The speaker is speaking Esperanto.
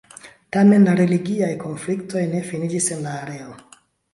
Tamen la religiaj konfliktoj ne finiĝis en la areo.